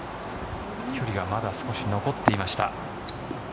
距離がまだ少し残っていました。